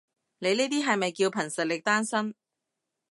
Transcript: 你呢啲係咪叫憑實力單身？